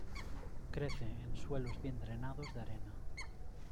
Crece en suelos bien drenados de arena.